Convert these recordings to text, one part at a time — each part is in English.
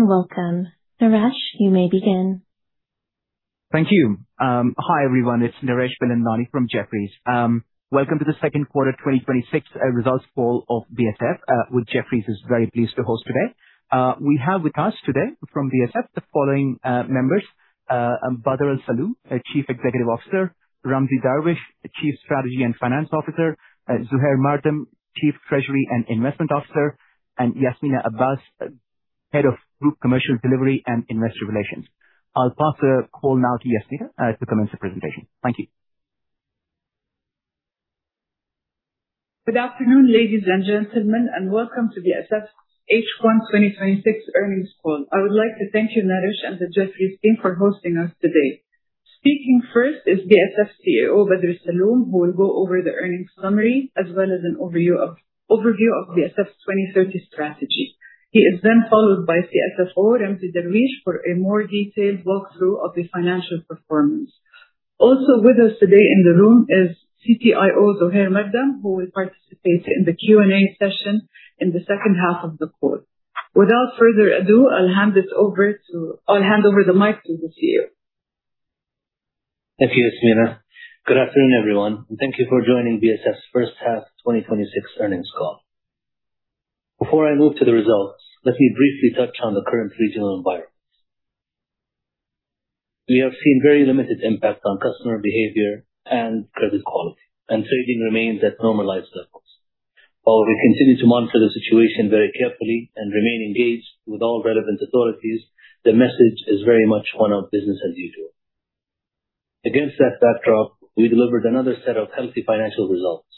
Hello and welcome. Naresh, you may begin. Thank you. Hi everyone, it's Naresh Balchandani from Jefferies. Welcome to the second quarter 2026 results call of BSF, which Jefferies is very pleased to host today. We have with us today from BSF, the following members. Bader Alsalloom, Chief Executive Officer, Ramzy Darwish, Chief Strategy and Finance Officer, Zuhair Mardam, Chief Treasury and Investment Officer, and Yasminah Abbas, Head of Group Commercial Delivery and Investor Relations. I'll pass the call now to Yasminah to commence the presentation. Thank you. Good afternoon, ladies and gentlemen. Welcome to BSF's H1 2026 earnings call. I would like to thank you, Naresh, and the Jefferies team for hosting us today. Speaking first is BSF CEO, Bader Alsalloom, who will go over the earnings summary as well as an overview of BSF Strategy 2030. He is then followed by CSFO Ramzy Darwish for a more detailed walkthrough of the financial performance. Also with us today in the room is CTIO Zuhair Mardam, who will participate in the Q&A session in the second half of the call. Without further ado, I'll hand over the mic to the CEO. Thank you, Yasminah. Good afternoon, everyone. Thank you for joining BSF's first half 2026 earnings call. Before I move to the results, let me briefly touch on the current regional environment. We have seen very limited impact on customer behavior and credit quality. Trading remains at normalized levels. While we continue to monitor the situation very carefully and remain engaged with all relevant authorities, the message is very much one of business as usual. Against that backdrop, we delivered another set of healthy financial results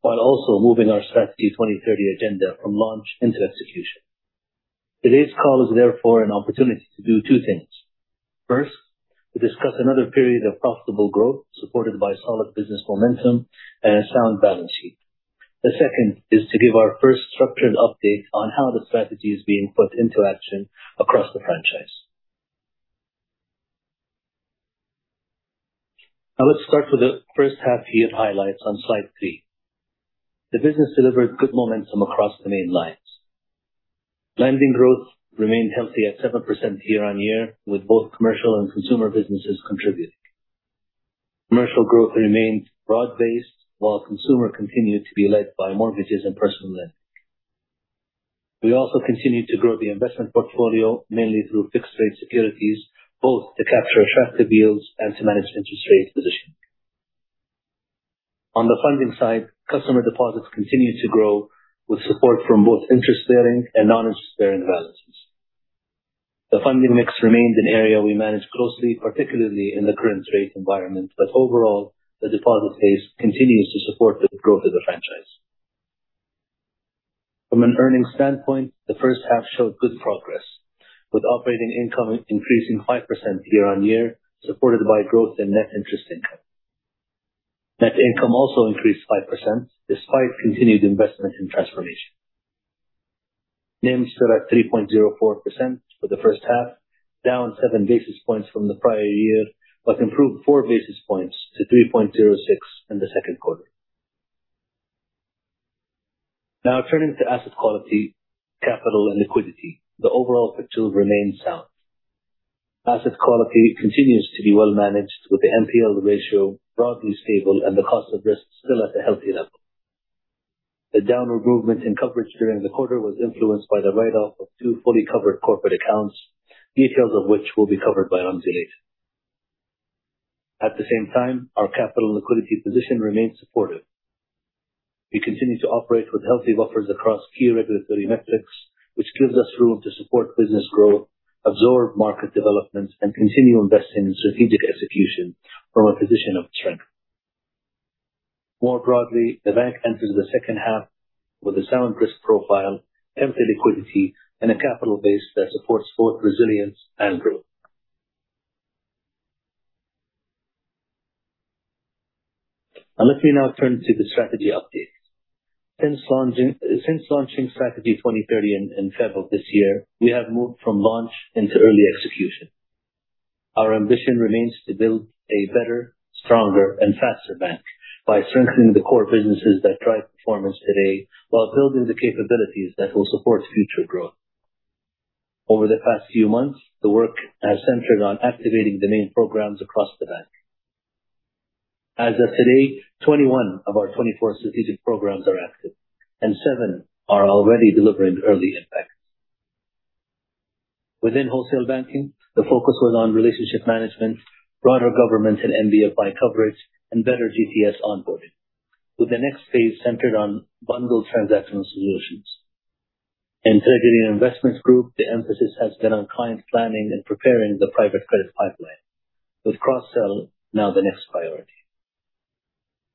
while also moving our Strategy 2030 agenda from launch into execution. Today's call is therefore an opportunity to do two things. First, to discuss another period of profitable growth supported by solid business momentum and a sound balance sheet. The second is to give our first structured update on how the strategy is being put into action across the franchise. Now let's start with the first half-year highlights on slide three. The business delivered good momentum across the main lines. Lending growth remained healthy at 7% year-on-year, with both commercial and consumer businesses contributing. Commercial growth remained broad based while consumer continued to be led by mortgages and personal lending. We also continued to grow the investment portfolio mainly through fixed rate securities, both to capture attractive yields and to manage interest rate positioning. On the funding side, customer deposits continued to grow with support from both interest bearing and non-interest bearing balances. The funding mix remained an area we managed closely, particularly in the current rate environment, but overall, the deposit base continues to support the growth of the franchise. From an earnings standpoint, the first half showed good progress, with operating income increasing 5% year-on-year, supported by growth in net interest income. Net income also increased 5%, despite continued investment in transformation. NIMs stood at 3.04% for the first half, down seven basis points from the prior year, but improved 4 basis points to 3.06% in the second quarter. Turning to asset quality, capital, and liquidity, the overall picture remains sound. Asset quality continues to be well managed, with the NPL ratio broadly stable and the cost of risk still at a healthy level. The downward movement in coverage during the quarter was influenced by the write-off of two fully covered corporate accounts, details of which will be covered by Ramzy later. At the same time, our capital liquidity position remains supportive. We continue to operate with healthy buffers across key regulatory metrics, which gives us room to support business growth, absorb market developments, and continue investing in strategic execution from a position of strength. More broadly, the bank enters the second half with a sound risk profile, ample liquidity and a capital base that supports both resilience and growth. Let me now turn to the strategy update. Since launching Strategy 2030 in February of this year, we have moved from launch into early execution. Our ambition remains to build a better, stronger and faster bank by strengthening the core businesses that drive performance today while building the capabilities that will support future growth. Over the past few months, the work has centered on activating the main programs across the bank. As of today, 21 of our 24 strategic programs are active and seven are already delivering early impacts. Within wholesale banking, the focus was on relationship management, broader government and NBFI coverage and better GDS onboarding. With the next phase centered on bundled transactional solutions. In Treasury and Investments Group, the emphasis has been on client planning and preparing the private credit pipeline with cross-sell now the next priority.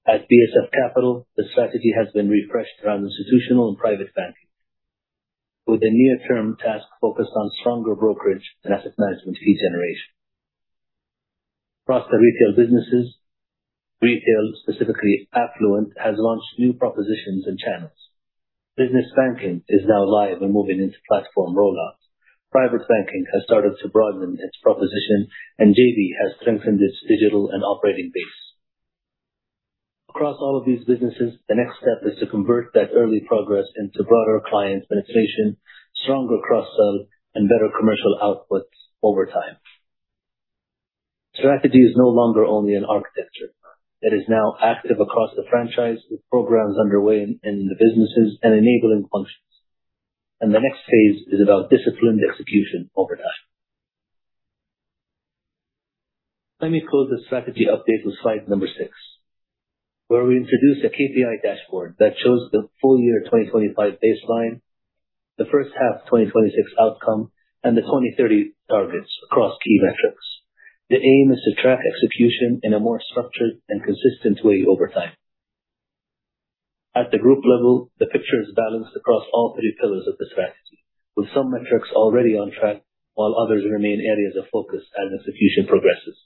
At BSF Capital, the strategy has been refreshed around institutional and private banking with the near term task focused on stronger brokerage and asset management fee generation. Across the retail businesses, retail, specifically affluent, has launched new propositions and channels. Business banking is now live and moving into platform rollout. Private banking has started to broaden its proposition, and J-B has strengthened its digital and operating base. Across all of these businesses, the next step is to convert that early progress into broader client penetration, stronger cross-sell, and better commercial outputs over time. Strategy is no longer only an architecture. It is now active across the franchise, with programs underway in the businesses and enabling functions. The next phase is about disciplined execution over time. Let me close the strategy update with slide number six, where we introduce a KPI dashboard that shows the full year 2025 baseline, the first half 2026 outcome, and the 2030 targets across key metrics. The aim is to track execution in a more structured and consistent way over time. At the group level, the picture is balanced across all three pillars of the strategy, with some metrics already on track, while others remain areas of focus as execution progresses.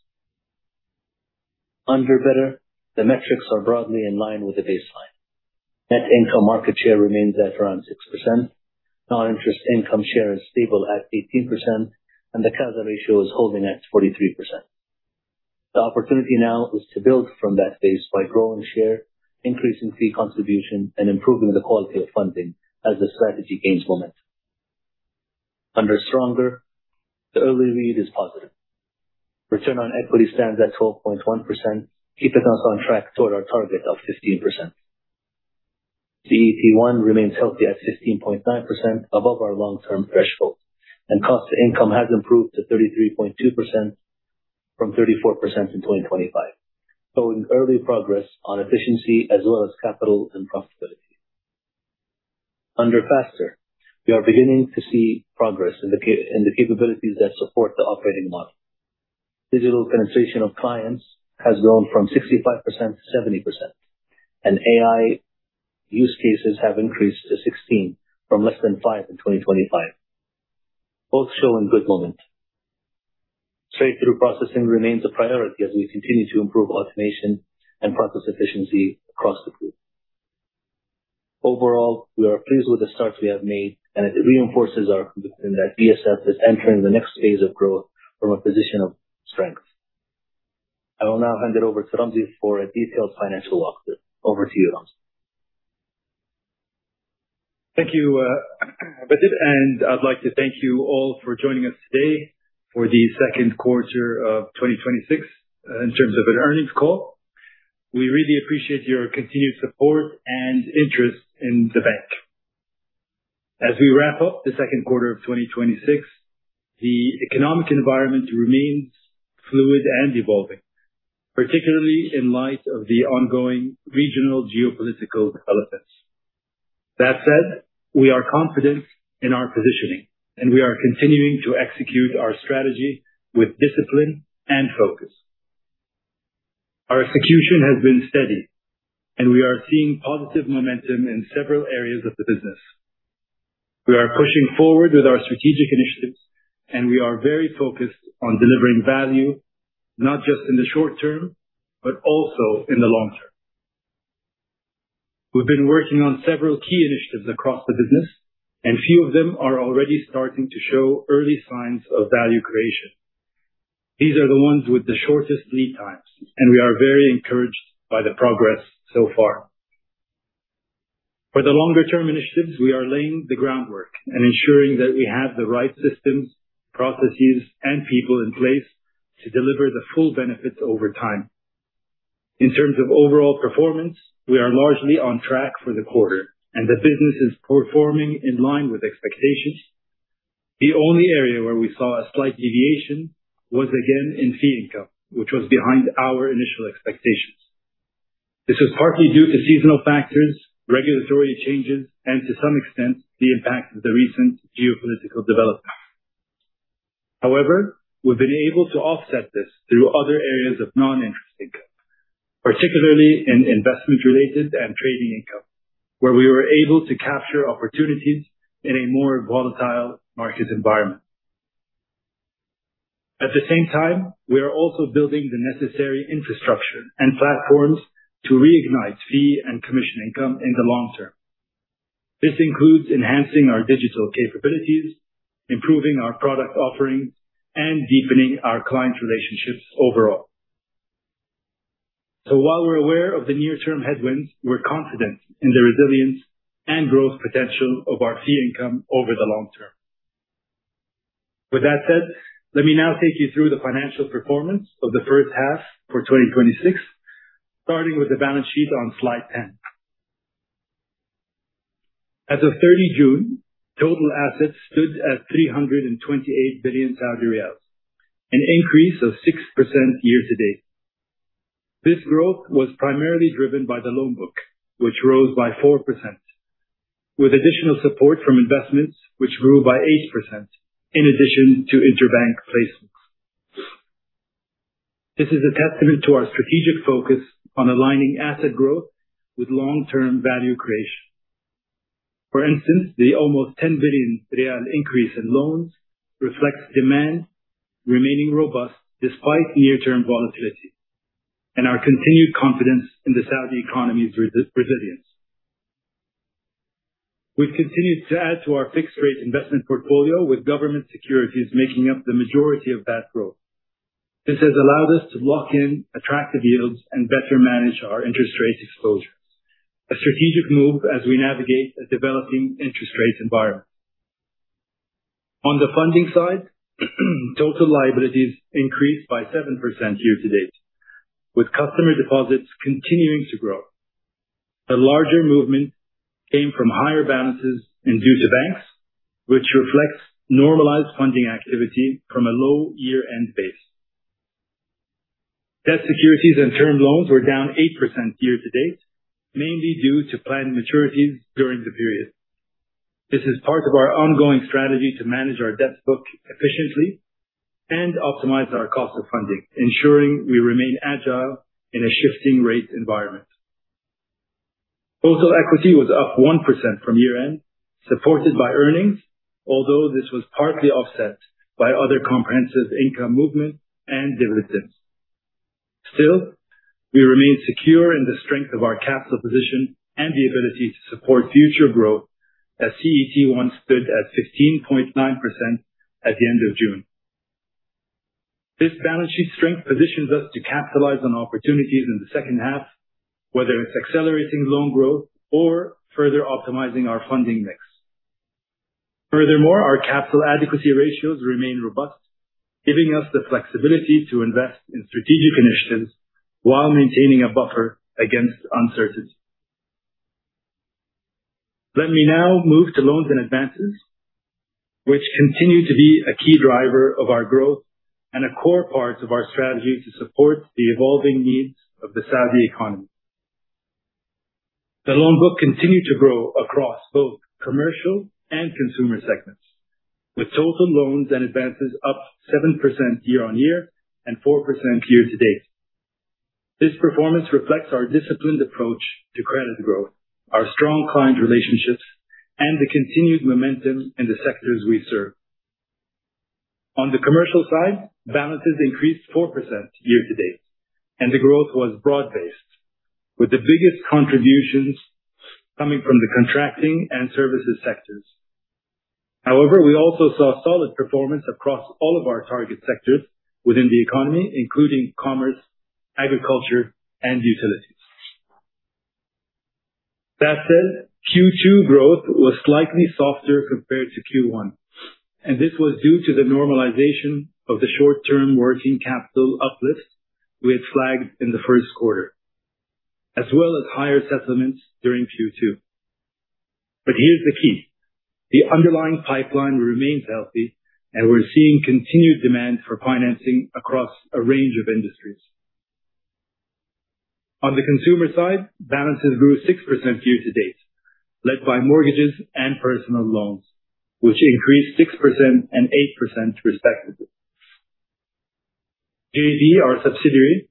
Under Better, the metrics are broadly in line with the baseline. Net income market share remains at around 6%. Non-interest income share is stable at 18%, and the CASA ratio is holding at 43%. The opportunity now is to build from that base by growing share, increasing fee contribution, and improving the quality of funding as the strategy gains momentum. Under Stronger, the early read is positive. Return on equity stands at 12.1%, keeping us on track toward our target of 15%. CET1 remains healthy at 15.9%, above our long-term threshold, and cost to income has improved to 33.2% from 34% in 2025, showing early progress on efficiency as well as capital and profitability. Under Faster, we are beginning to see progress in the capabilities that support the operating model. Digital penetration of clients has grown from 65% to 70%, and AI use cases have increased to 16 from less than five in 2025. Both showing good momentum. Straight-through processing remains a priority as we continue to improve automation and process efficiency across the group. Overall, we are pleased with the start we have made, and it reinforces our conviction that BSF is entering the next phase of growth from a position of strength. I will now hand it over to Ramzy for a detailed financial walkthrough. Over to you, Ramzy. Thank you, Bader. I'd like to thank you all for joining us today for the second quarter of 2026 in terms of an earnings call. We really appreciate your continued support and interest in the bank. As we wrap up the second quarter of 2026, the economic environment remains fluid and evolving, particularly in light of the ongoing regional geopolitical developments. That said, we are confident in our positioning, and we are continuing to execute our strategy with discipline and focus. Our execution has been steady, and we are seeing positive momentum in several areas of the business. We are pushing forward with our strategic initiatives, and we are very focused on delivering value not just in the short term, but also in the long term. We've been working on several key initiatives across the business, and few of them are already starting to show early signs of value creation. These are the ones with the shortest lead times, and we are very encouraged by the progress so far. For the longer-term initiatives, we are laying the groundwork and ensuring that we have the right systems, processes, and people in place to deliver the full benefits over time. In terms of overall performance, we are largely on track for the quarter, and the business is performing in line with expectations. The only area where we saw a slight deviation was, again, in fee income, which was behind our initial expectations. This is partly due to seasonal factors, regulatory changes, and to some extent, the impact of the recent geopolitical developments. However, we've been able to offset this through other areas of non-interest income, particularly in investment-related and trading income, where we were able to capture opportunities in a more volatile market environment. At the same time, we are also building the necessary infrastructure and platforms to reignite fee and commission income in the long term. This includes enhancing our digital capabilities, improving our product offerings, and deepening our client relationships overall. While we're aware of the near-term headwinds, we're confident in the resilience and growth potential of our fee income over the long term. With that said, let me now take you through the financial performance of the first half for 2026, starting with the balance sheet on slide 10. As of 30 June, total assets stood at 328 billion Saudi riyals, an increase of 6% year to date. This growth was primarily driven by the loan book, which rose by 4%, with additional support from investments which grew by 8%, in addition to interbank placements. This is a testament to our strategic focus on aligning asset growth with long-term value creation. For instance, the almost SAR 10 billion increase in loans reflects demand remaining robust despite near-term volatility, and our continued confidence in the Saudi economy's resilience. We've continued to add to our fixed rate investment portfolio with government securities making up the majority of that growth. This has allowed us to lock in attractive yields and better manage our interest rate exposures. A strategic move as we navigate a developing interest rate environment. On the funding side, total liabilities increased by 7% year to date, with customer deposits continuing to grow. The larger movement came from higher balances and due to banks, which reflects normalized funding activity from a low year-end base. Debt securities and term loans were down 8% year to date, mainly due to planned maturities during the period. This is part of our ongoing strategy to manage our debt book efficiently and optimize our cost of funding, ensuring we remain agile in a shifting rate environment. Total equity was up 1% from year-end, supported by earnings, although this was partly offset by other comprehensive income movement and dividends. Still, we remain secure in the strength of our capital position and the ability to support future growth as CET1 stood at 15.9% at the end of June. This balance sheet strength positions us to capitalize on opportunities in the second half, whether it's accelerating loan growth or further optimizing our funding mix. Furthermore, our capital adequacy ratios remain robust, giving us the flexibility to invest in strategic initiatives while maintaining a buffer against uncertainty. Let me now move to loans and advances, which continue to be a key driver of our growth and a core part of our strategy to support the evolving needs of the Saudi economy. The loan book continued to grow across both commercial and consumer segments, with total loans and advances up 7% year-on-year and 4% year-to-date. This performance reflects our disciplined approach to credit growth, our strong client relationships, and the continued momentum in the sectors we serve. On the commercial side, balances increased 4% year-to-date. The growth was broad-based, with the biggest contributions coming from the contracting and services sectors. We also saw solid performance across all of our target sectors within the economy, including commerce, agriculture, and utilities. That said, Q2 growth was slightly softer compared to Q1. This was due to the normalization of the short-term working capital uplift we had flagged in the first quarter, as well as higher settlements during Q2. Here's the key. The underlying pipeline remains healthy, and we're seeing continued demand for financing across a range of industries. On the consumer side, balances grew 6% year-to-date, led by mortgages and personal loans, which increased 6% and 8% respectively. J-B, our subsidiary,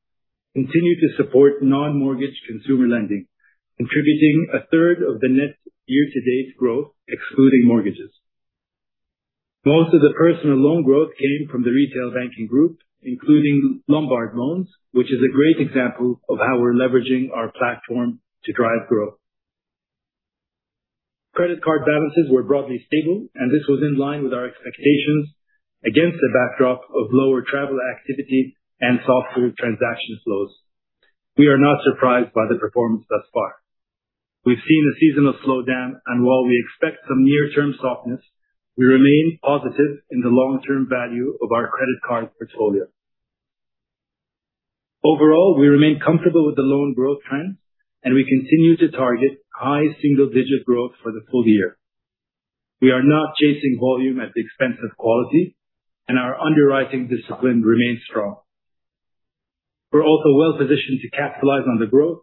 continued to support non-mortgage consumer lending, contributing 1/3 of the net year-to-date growth, excluding mortgages. Most of the personal loan growth came from the Retail Banking Group, including Lombard loans, which is a great example of how we're leveraging our platform to drive growth. Credit card balances were broadly stable. This was in line with our expectations against a backdrop of lower travel activity and softer transaction flows. We are not surprised by the performance thus far. We've seen a seasonal slowdown, and while we expect some near-term softness, we remain positive in the long-term value of our credit card portfolio. Overall, we remain comfortable with the loan growth trends. We continue to target high single-digit growth for the full year. We are not chasing volume at the expense of quality. Our underwriting discipline remains strong. We're also well-positioned to capitalize on the growth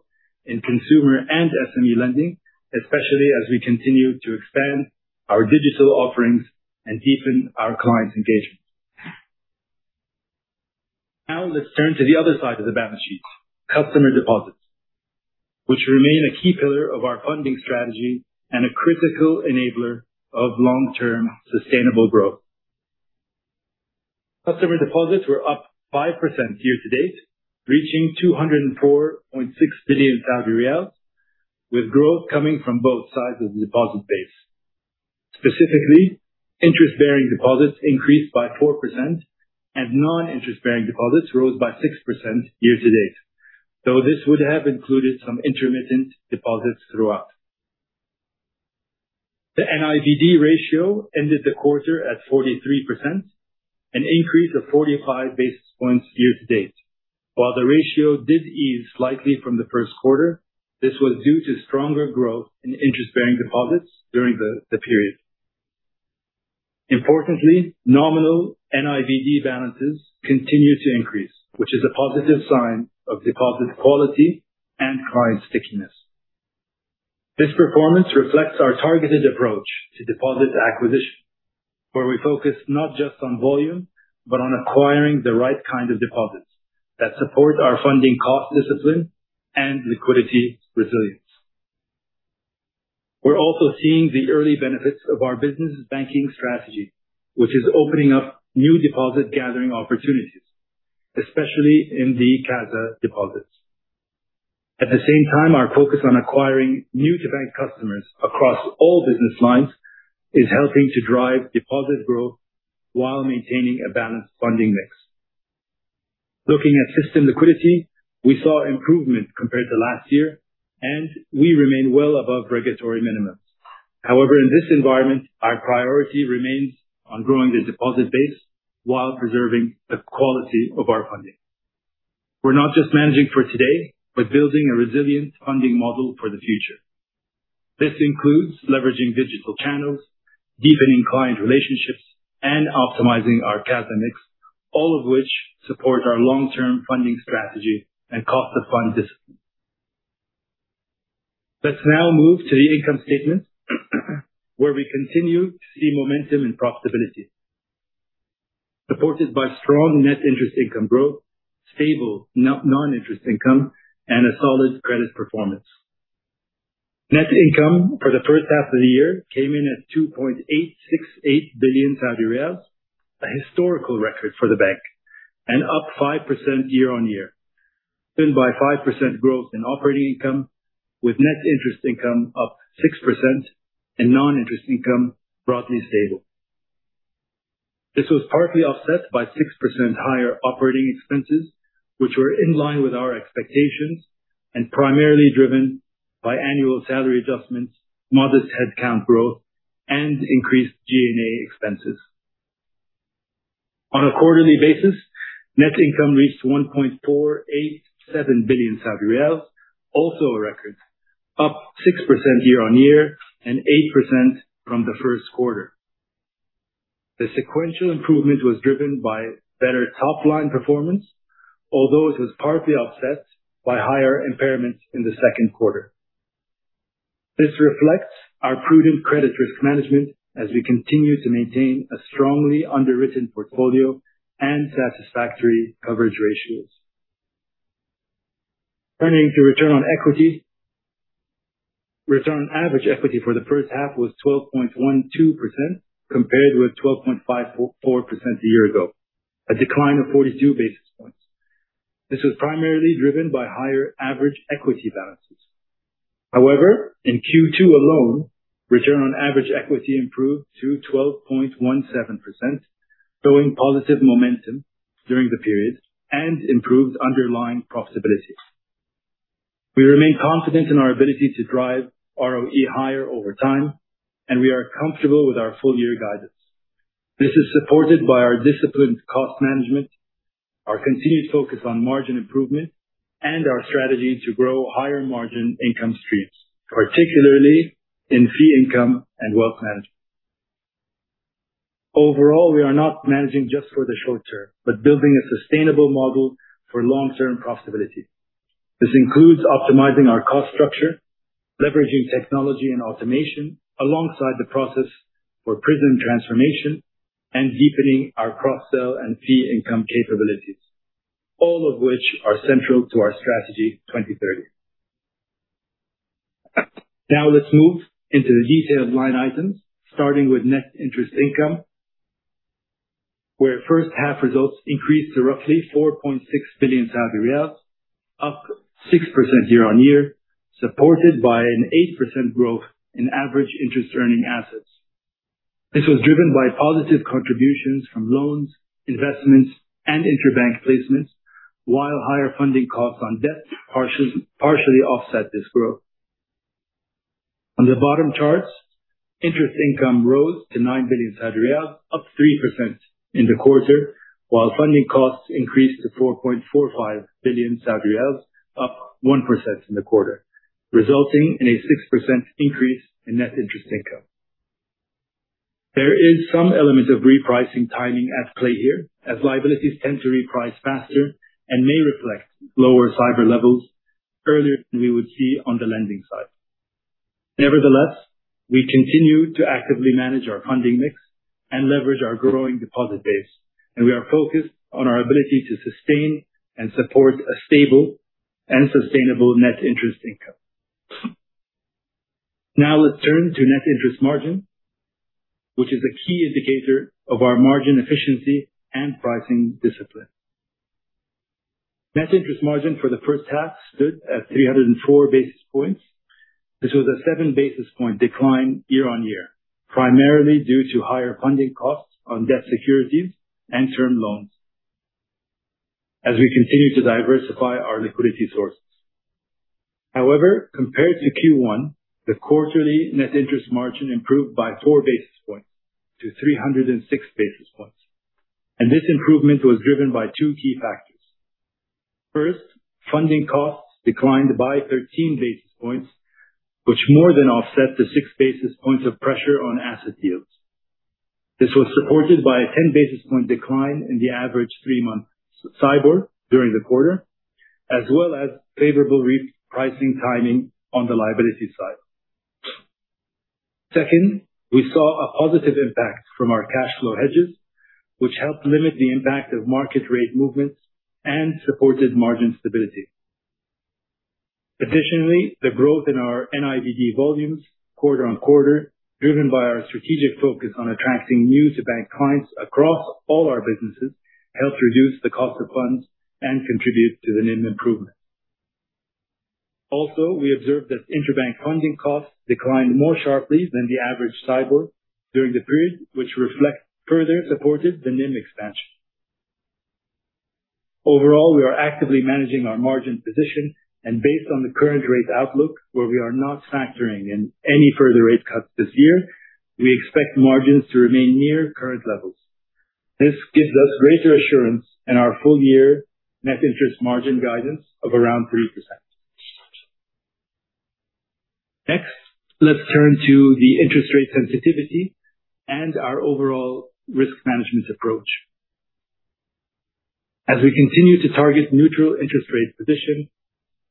in consumer and SME lending, especially as we continue to expand our digital offerings and deepen our client engagement. Now let's turn to the other side of the balance sheet, customer deposits, which remain a key pillar of our funding strategy and a critical enabler of long-term sustainable growth. Customer deposits were up 5% year-to-date, reaching 204.6 billion Saudi riyals, with growth coming from both sides of the deposit base. Specifically, interest-bearing deposits increased by 4%. Non-interest-bearing deposits rose by 6% year-to-date, though this would have included some intermittent deposits throughout. The NIBD ratio ended the quarter at 43%, an increase of 45 basis points year-to-date. While the ratio did ease slightly from the first quarter, this was due to stronger growth in interest-bearing deposits during the period. Importantly, nominal NIBD balances continue to increase, which is a positive sign of deposit quality and client stickiness. This performance reflects our targeted approach to deposit acquisition, where we focus not just on volume, but on acquiring the right kind of deposits that support our funding cost discipline and liquidity resilience. We're also seeing the early benefits of our business banking strategy, which is opening up new deposit gathering opportunities, especially in the CASA deposits. At the same time, our focus on acquiring new-to-bank customers across all business lines is helping to drive deposit growth while maintaining a balanced funding mix. Looking at system liquidity, we saw improvement compared to last year, and we remain well above regulatory minimums. However, in this environment, our priority remains on growing the deposit base while preserving the quality of our funding. We're not just managing for today, but building a resilient funding model for the future. This includes leveraging digital channels, deepening client relationships, and optimizing our CASA mix, all of which support our long-term funding strategy and cost of fund discipline. Let's now move to the income statement, where we continue to see momentum and profitability, supported by strong net interest income growth, stable non-interest income, and a solid credit performance. Net income for the first half of the year came in at 2.868 billion Saudi riyals, a historical record for the bank, up 5% year-on-year, driven by 5% growth in operating income, with net interest income up 6% and non-interest income broadly stable. This was partly offset by 6% higher operating expenses, which were in line with our expectations and primarily driven by annual salary adjustments, modest headcount growth, and increased G&A expenses. On a quarterly basis, net income reached 1.487 billion Saudi riyals, also a record, up 6% year-on-year and 8% from the first quarter. The sequential improvement was driven by better top-line performance, although it was partly offset by higher impairments in the second quarter. This reflects our prudent credit risk management as we continue to maintain a strongly underwritten portfolio and satisfactory coverage ratios. Turning to return on equity, return on average equity for the first half was 12.12%, compared with 12.54% a year ago, a decline of 42 basis points. This was primarily driven by higher average equity balances. However, in Q2 alone, return on average equity improved to 12.17%, showing positive momentum during the period and improved underlying profitability. We remain confident in our ability to drive ROE higher over time, and we are comfortable with our full-year guidance. This is supported by our disciplined cost management, our continued focus on margin improvement, and our strategy to grow higher margin income streams, particularly in fee income and wealth management. Overall, we are not managing just for the short term, but building a sustainable model for long-term profitability. This includes optimizing our cost structure, leveraging technology and automation alongside the process for PRISM transformation, and deepening our cross-sell and fee income capabilities, all of which are central to our Strategy 2030. Let's now move into the detailed line items, starting with net interest income, where first half results increased to roughly 4.6 billion Saudi riyals, up 6% year-on-year, supported by an 8% growth in average interest earning assets. This was driven by positive contributions from loans, investments, and interbank placements, while higher funding costs on debt partially offset this growth. On the bottom charts, interest income rose to 9 billion, up 3% in the quarter, while funding costs increased to 4.45 billion, up 1% in the quarter, resulting in a 6% increase in net interest income. There is some element of repricing timing at play here, as liabilities tend to reprice faster and may reflect lower SAIBOR levels earlier than we would see on the lending side. Nevertheless, we continue to actively manage our funding mix and leverage our growing deposit base, and we are focused on our ability to sustain and support a stable and sustainable net interest income. Now let's turn to Net Interest Margin, which is a key indicator of our margin efficiency and pricing discipline. Net Interest Margin for the first half stood at 304 basis points. This was a 7 basis point decline year-on-year, primarily due to higher funding costs on debt securities and term loans as we continue to diversify our liquidity sources. However, compared to Q1, the quarterly Net Interest Margin improved by 4 basis points to 306 basis points. This improvement was driven by two key factors. First, funding costs declined by 13 basis points, which more than offset the 6 basis points of pressure on asset yields. This was supported by a 10 basis point decline in the average three-month SAIBOR during the quarter, as well as favorable repricing timing on the liability side. Second, we saw a positive impact from our cash flow hedges, which helped limit the impact of market rate movements and supported margin stability. Additionally, the growth in our NIBD volumes quarter-on-quarter, driven by our strategic focus on attracting new bank clients across all our businesses, helped reduce the cost of funds and contribute to the NIM improvement. Also, we observed that interbank funding costs declined more sharply than the average SAIBOR during the period, which further supported the NIM expansion. Overall, we are actively managing our margin position and based on the current rate outlook where we are not factoring in any further rate cuts this year, we expect margins to remain near current levels. This gives us greater assurance in our full year Net Interest Margin guidance of around 3%. Next, let's turn to the interest rate sensitivity and our overall risk management approach. As we continue to target neutral interest rate position,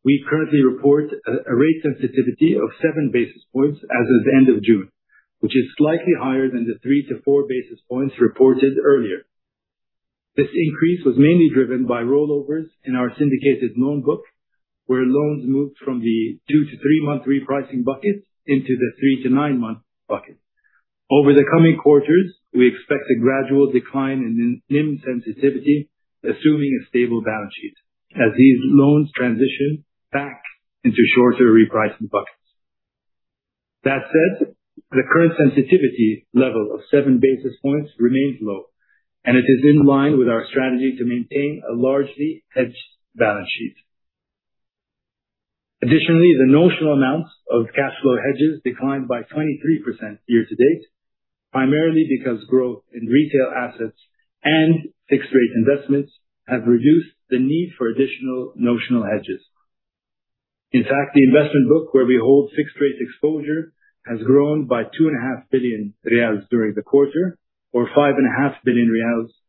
we currently report a rate sensitivity of 7 basis points as of the end of June, which is slightly higher than the 3-4 basis points reported earlier. This increase was mainly driven by rollovers in our syndicated loan book, where loans moved from the two to three-month repricing bucket into the three to nine-month bucket. Over the coming quarters, we expect a gradual decline in NIM sensitivity, assuming a stable balance sheet as these loans transition back into shorter repricing buckets. That said, the current sensitivity level of 7 basis points remains low and it is in line with our strategy to maintain a largely hedged balance sheet. Additionally, the notional amounts of cash flow hedges declined by 23% year to date, primarily because growth in retail assets and fixed rate investments have reduced the need for additional notional hedges. In fact, the investment book where we hold fixed rate exposure, has grown by SAR 2.5 billion during the quarter or SAR 5.5 billion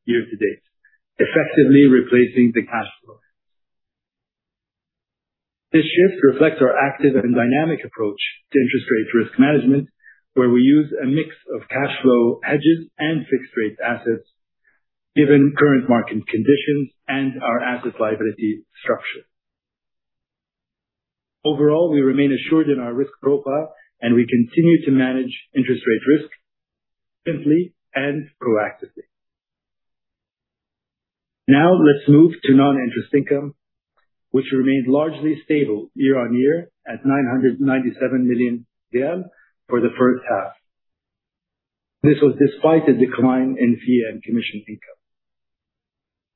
year to date, effectively replacing the cash flow. This shift reflects our active and dynamic approach to interest rate risk management, where we use a mix of cash flow hedges and fixed rate assets given current market conditions and our asset liability structure. Overall, we remain assured in our risk profile and we continue to manage interest rate risk simply and proactively. Let's move to non-interest income, which remained largely stable year-on-year at 997 million for the first half. This was despite a decline in fee and commission income.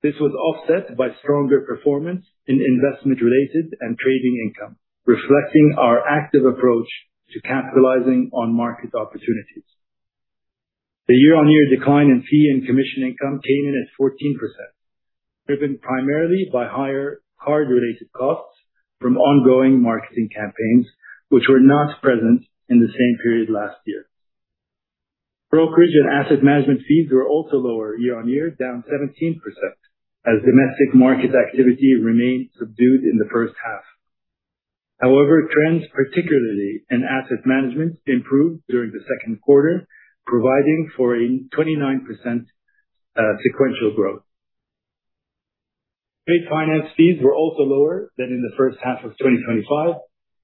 This was offset by stronger performance in investment-related and trading income, reflecting our active approach to capitalizing on market opportunities. The year-on-year decline in fee and commission income came in at 14%, driven primarily by higher card-related costs from ongoing marketing campaigns, which were not present in the same period last year. Brokerage and asset management fees were also lower year-on-year, down 17%, as domestic market activity remained subdued in the first half. However, trends, particularly in asset management, improved during the second quarter, providing for a 29% sequential growth. Trade finance fees were also lower than in the first half of 2025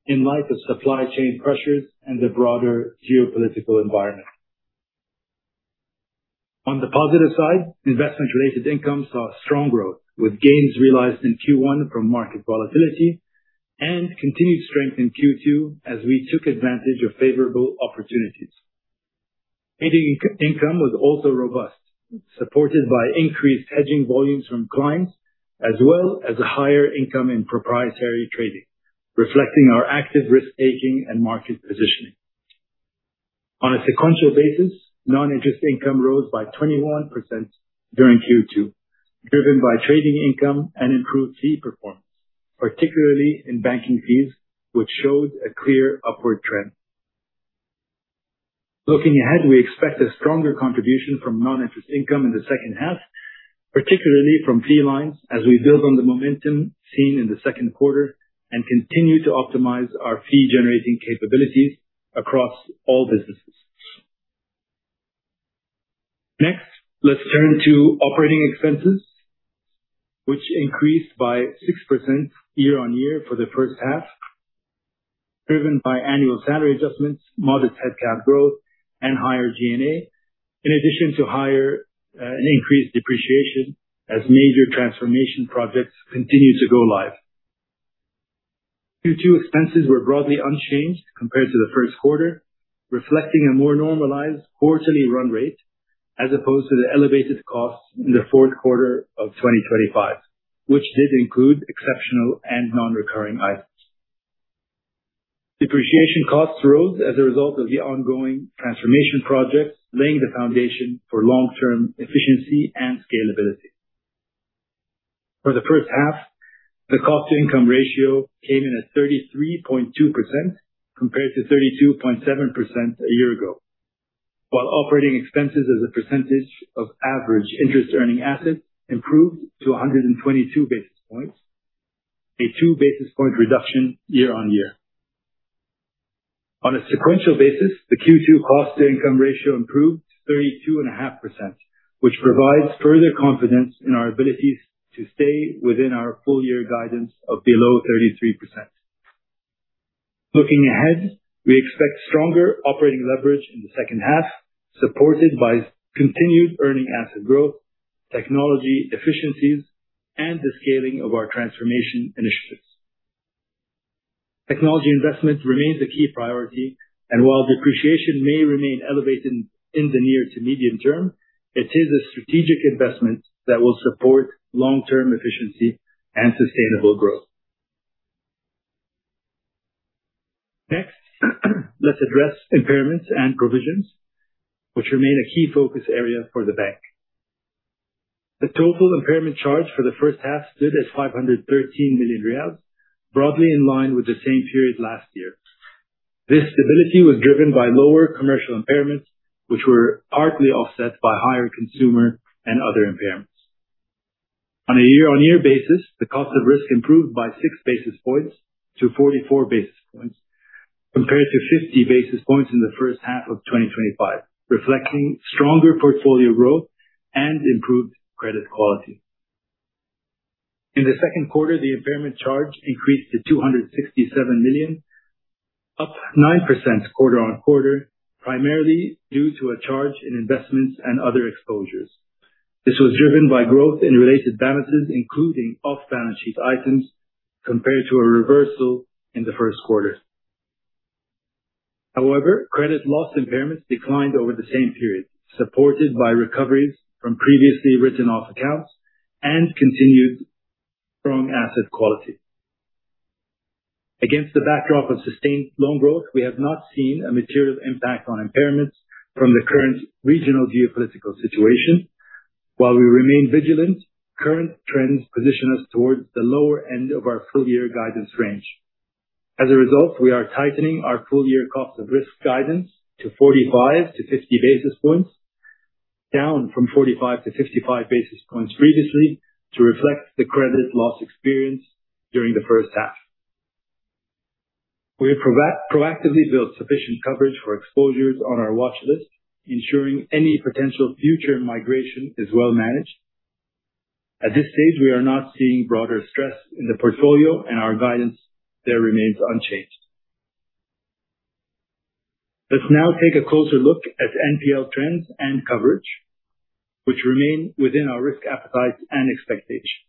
in light of supply chain pressures and the broader geopolitical environment. On the positive side, investment-related income saw strong growth with gains realized in Q1 from market volatility and continued strength in Q2 as we took advantage of favorable opportunities. Trading income was also robust, supported by increased hedging volumes from clients as well as a higher income in proprietary trading, reflecting our active risk hedging and market positioning. On a sequential basis, non-interest income rose by 21% during Q2, driven by trading income and improved fee performance, particularly in banking fees, which showed a clear upward trend. Looking ahead, we expect a stronger contribution from non-interest income in the second half, particularly from fee lines as we build on the momentum seen in the second quarter and continue to optimize our fee-generating capabilities across all businesses. Next, let's turn to operating expenses, which increased by 6% year-on-year for the first half, driven by annual salary adjustments, modest headcount growth, and higher G&A, in addition to higher and increased depreciation as major transformation projects continue to go live. Q2 expenses were broadly unchanged compared to the first quarter, reflecting a more normalized quarterly run rate as opposed to the elevated costs in the fourth quarter of 2025, which did include exceptional and non-recurring items. Depreciation costs rose as a result of the ongoing transformation projects, laying the foundation for long-term efficiency and scalability. For the first half, the cost to income ratio came in at 33.2% compared to 32.7% a year ago. While operating expenses as a percentage of average interest earning assets improved to 122 basis points, a 2 basis point reduction year-on-year. On a sequential basis, the Q2 cost to income ratio improved to 32.5%, which provides further confidence in our abilities to stay within our full year guidance of below 33%. Looking ahead, we expect stronger operating leverage in the second half, supported by continued earning asset growth, technology efficiencies, and the scaling of our transformation initiatives. Technology investment remains a key priority, and while depreciation may remain elevated in the near to medium term, it is a strategic investment that will support long-term efficiency and sustainable growth. Next, let's address impairments and provisions, which remain a key focus area for the bank. The total impairment charge for the first half stood at 513 million riyals, broadly in line with the same period last year. This stability was driven by lower commercial impairments, which were partly offset by higher consumer and other impairments. On a year-on-year basis, the cost of risk improved by 6 basis points to 44 basis points compared to 50 basis points in the first half of 2025, reflecting stronger portfolio growth and improved credit quality. In the second quarter, the impairment charge increased to 267 million, up 9% quarter-on-quarter, primarily due to a charge in investments and other exposures. This was driven by growth in related balances, including off-balance sheet items, compared to a reversal in the first quarter. However, credit loss impairments declined over the same period, supported by recoveries from previously written off accounts and continued strong asset quality. Against the backdrop of sustained loan growth, we have not seen a material impact on impairments from the current regional geopolitical situation. While we remain vigilant, current trends position us towards the lower end of our full year guidance range. As a result, we are tightening our full year cost of risk guidance to 45-50 basis points, down from 45-55 basis points previously, to reflect the credit loss experience during the first half. We have proactively built sufficient coverage for exposures on our watch list, ensuring any potential future migration is well managed. At this stage, we are not seeing broader stress in the portfolio and our guidance there remains unchanged. Let's now take a closer look at NPL trends and coverage, which remain within our risk appetite and expectations.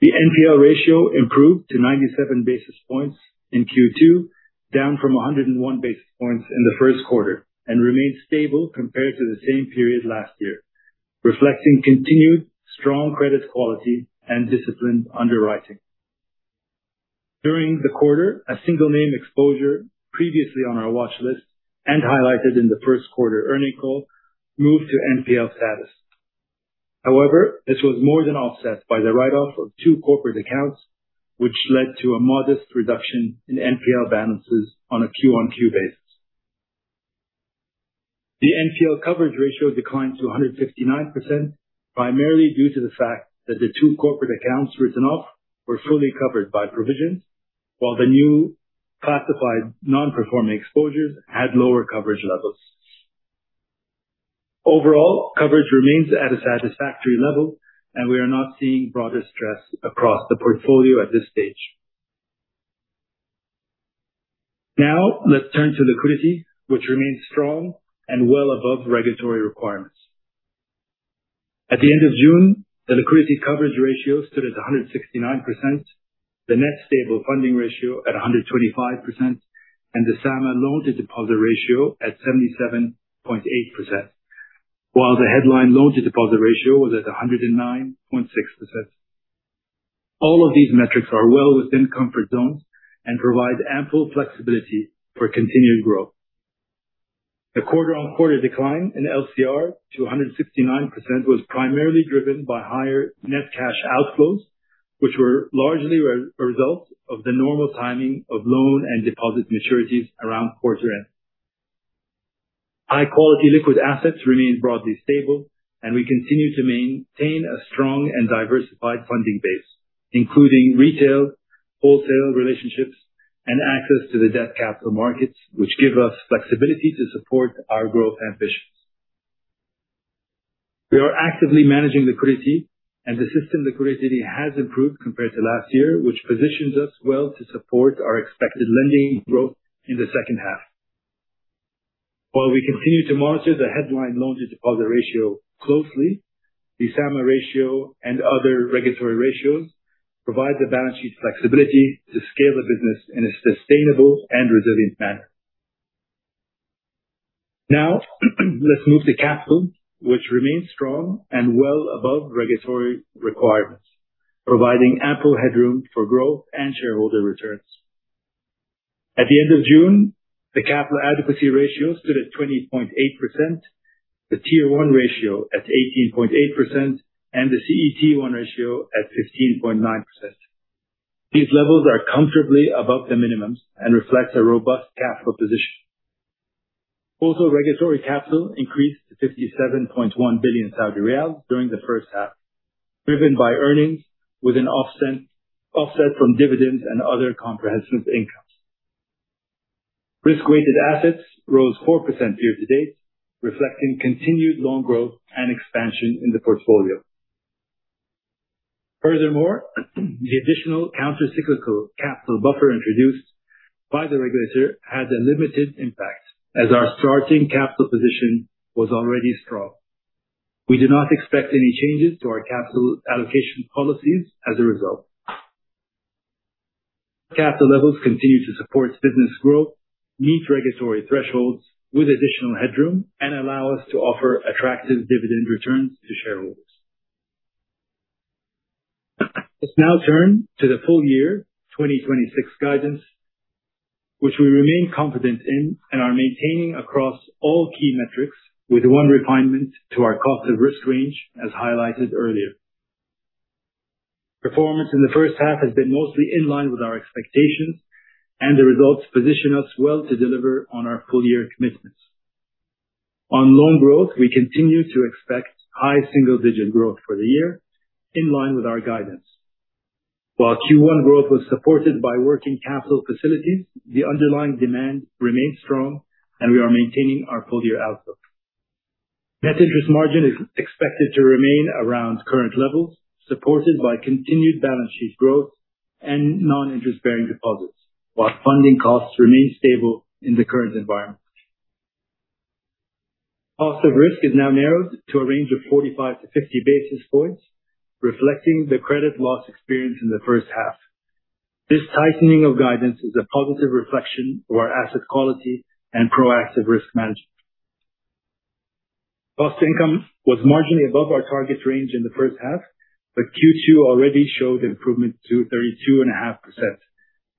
The NPL ratio improved to 97 basis points in Q2, down from 101 basis points in the first quarter, and remains stable compared to the same period last year, reflecting continued strong credit quality and disciplined underwriting. During the quarter, a single name exposure previously on our watch list and highlighted in the first quarter earning call, moved to NPL status. However, this was more than offset by the write-off of two corporate accounts, which led to a modest reduction in NPL balances on a Q-on-Q basis. The NPL coverage ratio declined to 159%, primarily due to the fact that the two corporate accounts written off were fully covered by provisions, while the new classified non-performing exposures had lower coverage levels. Overall, coverage remains at a satisfactory level, and we are not seeing broader stress across the portfolio at this stage. Now let's turn to liquidity, which remains strong and well above regulatory requirements. At the end of June, the liquidity coverage ratio stood at 169%, the Net Stable Funding Ratio at 125%, and the SAMA loan to deposit ratio at 77.8%, while the headline loan to deposit ratio was at 109.6%. All of these metrics are well within comfort zones and provide ample flexibility for continued growth. The quarter-on-quarter decline in LCR to 169% was primarily driven by higher net cash outflows, which were largely a result of the normal timing of loan and deposit maturities around quarter-end. High quality liquid assets remained broadly stable, and we continue to maintain a strong and diversified funding base, including retail, wholesale relationships, and access to the debt capital markets, which give us flexibility to support our growth ambitions. We are actively managing liquidity, and the system liquidity has improved compared to last year, which positions us well to support our expected lending growth in the second half. While we continue to monitor the headline loan to deposit ratio closely, the SAMA ratio and other regulatory ratios provide the balance sheet flexibility to scale the business in a sustainable and resilient manner. Let's move to capital, which remains strong and well above regulatory requirements, providing ample headroom for growth and shareholder returns. At the end of June, the capital adequacy ratio stood at 20.8%, the Tier 1 ratio at 18.8%, and the CET1 ratio at 15.9%. These levels are comfortably above the minimums and reflects a robust capital position. Total regulatory capital increased to 57.1 billion Saudi riyals during the first half, driven by earnings with an offset from dividends and other comprehensive income. Risk-weighted assets rose 4% year-to-date, reflecting continued loan growth and expansion in the portfolio. Furthermore, the additional countercyclical capital buffer introduced by the regulator had a limited impact as our starting capital position was already strong. We do not expect any changes to our capital allocation policies as a result. Capital levels continue to support business growth, meet regulatory thresholds with additional headroom, and allow us to offer attractive dividend returns to shareholders. Let's now turn to the full-year 2026 guidance, which we remain confident in and are maintaining across all key metrics with one refinement to our cost of risk range as highlighted earlier. Performance in the first half has been mostly in line with our expectations, and the results position us well to deliver on our full-year commitments. On loan growth, we continue to expect high single-digit growth for the year in line with our guidance. While Q1 growth was supported by working capital facilities, the underlying demand remains strong, and we are maintaining our full-year outlook. Net interest margin is expected to remain around current levels, supported by continued balance sheet growth and non-interest-bearing deposits while funding costs remain stable in the current environment. Cost of risk is now narrowed to a range of 45-50 basis points, reflecting the credit loss experience in the first half. This tightening of guidance is a positive reflection of our asset quality and proactive risk management. Cost income was marginally above our target range in the first half, but Q2 already showed an improvement to 32.5%,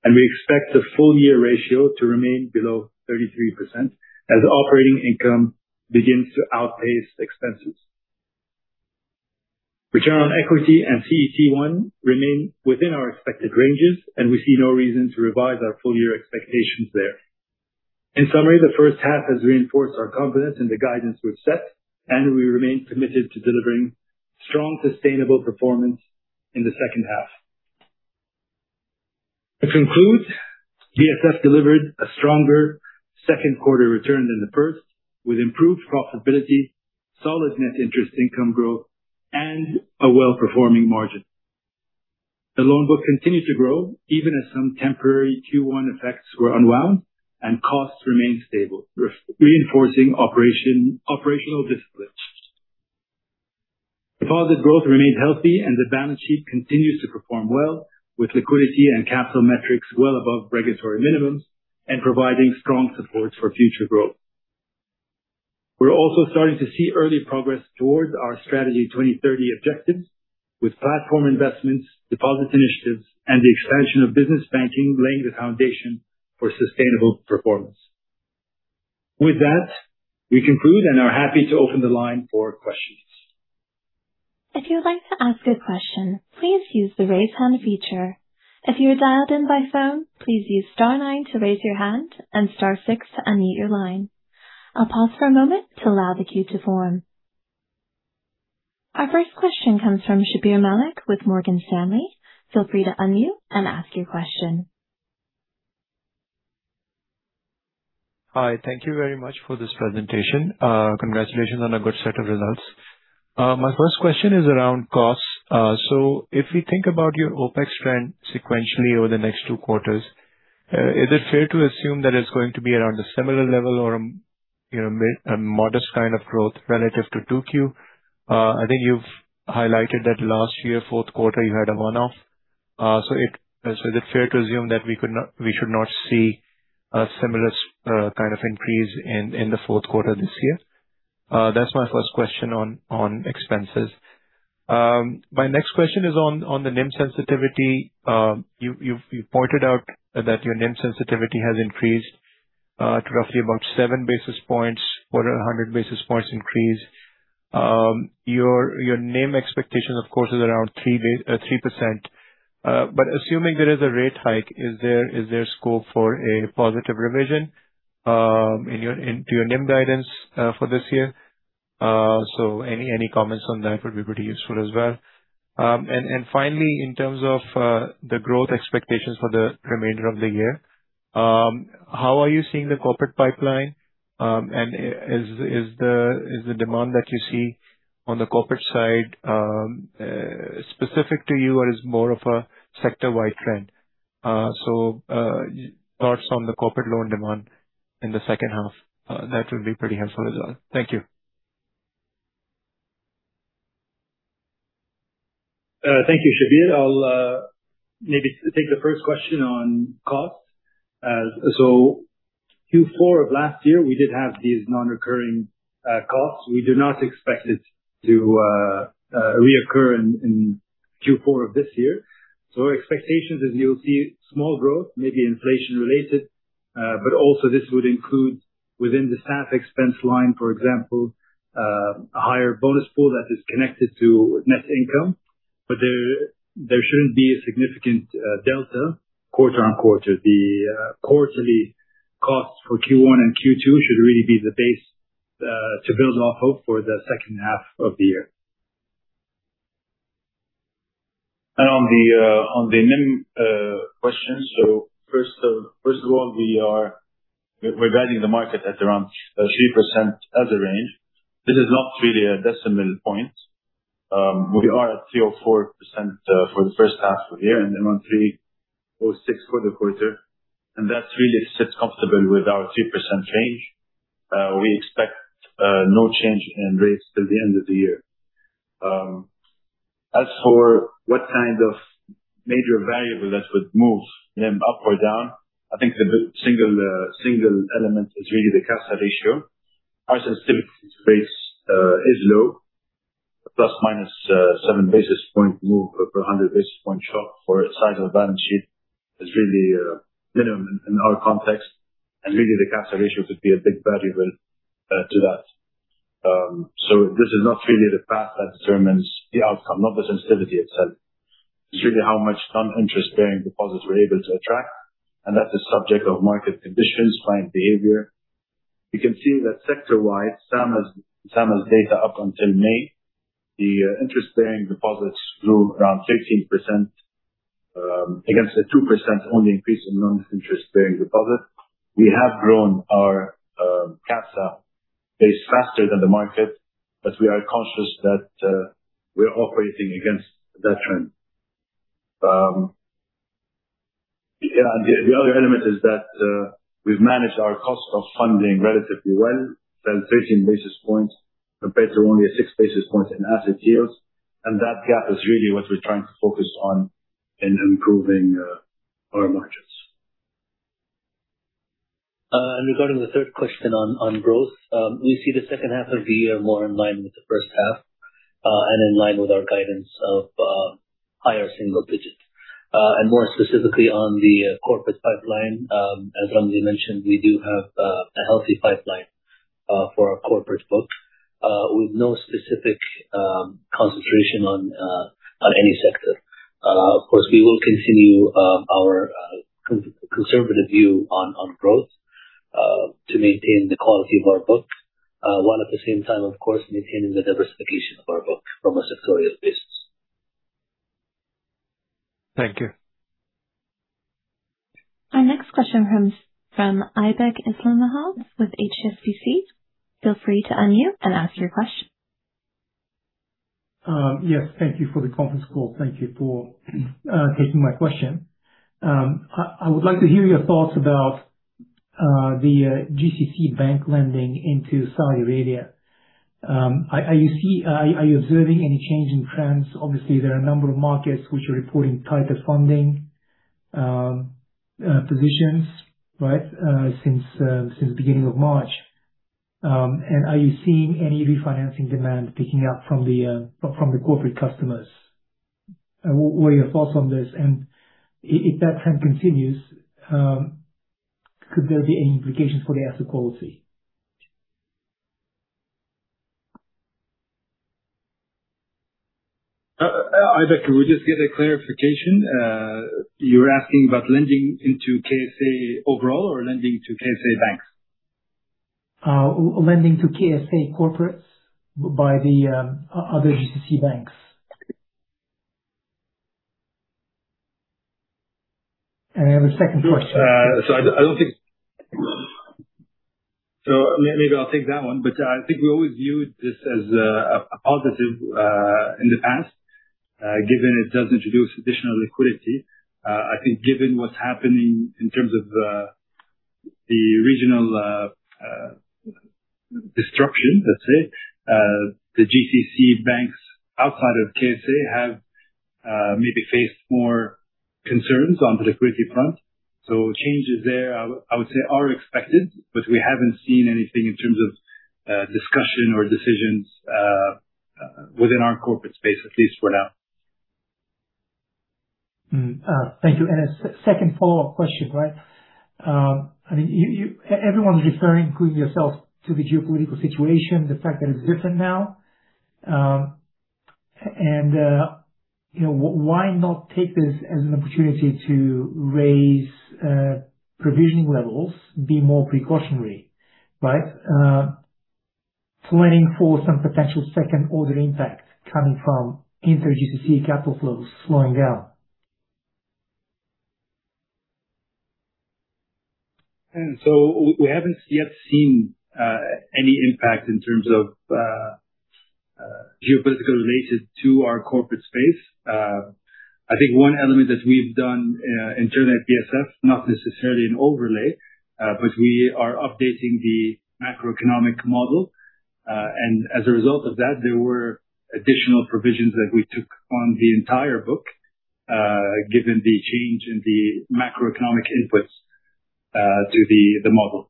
and we expect the full-year ratio to remain below 33% as operating income begins to outpace expenses. Return on equity and CET1 remain within our expected ranges, and we see no reason to revise our full-year expectations there. In summary, the first half has reinforced our confidence in the guidance we've set, and we remain committed to delivering strong, sustainable performance in the second half. To conclude, BSF delivered a stronger second quarter return than the first, with improved profitability, solid net interest income growth, and a well-performing margin. The loan book continued to grow even as some temporary Q1 effects were unwound and costs remained stable, reinforcing operational discipline. Deposit growth remains healthy and the balance sheet continues to perform well with liquidity and capital metrics well above regulatory minimums and providing strong support for future growth. We're also starting to see early progress towards our Strategy 2030 objectives with platform investments, deposit initiatives, and the expansion of business banking laying the foundation for sustainable performance. With that, we conclude and are happy to open the line for questions. If you would like to ask a question, please use the Raise Hand feature. If you are dialed in by phone, please use star nine to raise your hand and star six to unmute your line. I'll pause for a moment to allow the queue to form. Our first question comes from Shabbir Malik with Morgan Stanley. Feel free to unmute and ask your question. Hi. Thank you very much for this presentation. Congratulations on a good set of results. My first question is around costs. If we think about your OpEx trend sequentially over the next two quarters, is it fair to assume that it's going to be around a similar level or a modest kind of growth relative to 2Q? I think you've highlighted that last year, fourth quarter, you had a one-off. Is it fair to assume that we should not see a similar kind of increase in the fourth quarter this year? That's my first question on expenses. My next question is on the NIM sensitivity. You've pointed out that your NIM sensitivity has increased to roughly about 7 basis points for 100 basis points increase. Your NIM expectation, of course, is around 3%, but assuming there is a rate hike, is there scope for a positive revision to your NIM guidance for this year? Any comments on that would be pretty useful as well. Finally, in terms of the growth expectations for the remainder of the year, how are you seeing the corporate pipeline? Is the demand that you see on the corporate side specific to you, or is more of a sector-wide trend? Thoughts on the corporate loan demand in the second half. That would be pretty helpful as well. Thank you. Thank you, Shabbir. I'll maybe take the first question on costs. Q4 of last year, we did have these non-recurring costs. We do not expect it to reoccur in Q4 of this year. Our expectation is you'll see small growth, maybe inflation-related, but also this would include within the staff expense line, for example, a higher bonus pool that is connected to net income. There shouldn't be a significant delta quarter-on-quarter. The quarterly costs for Q1 and Q2 should really be the base to build off of for the second half of the year. On the NIM question. First of all, we're guiding the market at around 3% as a range. This is not really a decimal point. We are at 3% or 4% for the first half of the year and around 3% or 6% for the quarter. That really sits comfortable with our 3% range. We expect no change in rates till the end of the year. As for what kind of major variable that would move NIM up or down, I think the single element is really the CASA ratio. Our sensitivity to base is low, ± 7 basis point move per 100 basis point shock for a size of balance sheet is really minimum in our context, and really the CASA ratio could be a big variable to that. This is not really the path that determines the outcome, not the sensitivity itself. It's really how much non-interest-bearing deposits we're able to attract, and that is subject of market conditions, client behavior. You can see that sector-wide, SAMA has data up until May. The interest-bearing deposits grew around 16% against a 2% only increase in non-interest-bearing deposit. We have grown our CASA base faster than the market, but we are conscious that we are operating against that trend. The other element is that we've managed our cost of funding relatively well. 13 basis points compared to only a 6 basis points in asset yields, and that gap is really what we're trying to focus on in improving our margins. Regarding the third question on growth, we see the second half of the year more in line with the first half and in line with our guidance of higher single digits. More specifically on the corporate pipeline, as Ramzy mentioned, we do have a healthy pipeline for our corporate book. We've no specific concentration on any sector. Of course, we will continue our conservative view on growth to maintain the quality of our book, while at the same time, of course, maintaining the diversification of our book from a sectorial basis. Thank you. Our next question comes from Aybek Islamov with HSBC. Feel free to unmute and ask your question. Yes, thank you for the conference call. Thank you for taking my question. I would like to hear your thoughts about the GCC bank lending into Saudi Arabia. Are you observing any change in trends? Obviously, there are a number of markets which are reporting tighter funding positions since the beginning of March. Are you seeing any refinancing demand picking up from the corporate customers? What are your thoughts on this? If that trend continues, could there be any implications for the asset quality? Aybek, could we just get a clarification? You are asking about lending into KSA overall or lending to KSA banks? Lending to KSA corporates by the other GCC banks. I have a second question. Sure. Maybe I'll take that one. I think we always viewed this as a positive in the past, given it does introduce additional liquidity. I think given what's happening in terms of the regional disruption, let's say, the GCC banks outside of KSA have maybe faced more concerns on the liquidity front. Changes there, I would say, are expected, but we haven't seen anything in terms of discussion or decisions within our corporate space, at least for now. Thank you. A second follow-up question. Everyone is referring, including yourself, to the geopolitical situation, the fact that it's different now. Why not take this as an opportunity to raise provision levels, be more precautionary? Planning for some potential second-order impact coming from intra-GCC capital flows slowing down. We haven't yet seen any impact in terms of geopolitical relations to our corporate space. I think one element that we've done internal at BSF, not necessarily an overlay, but we are updating the macroeconomic model. As a result of that, there were additional provisions that we took on the entire book, given the change in the macroeconomic inputs to the model. Thank you.